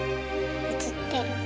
映ってる。